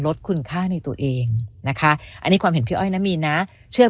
ลดคุณค่าในตัวเองนะคะอันนี้ความเห็นพี่อ้อยนะมีนนะเชื่อ